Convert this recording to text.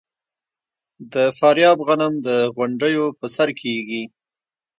د فاریاب غنم د غونډیو په سر کیږي.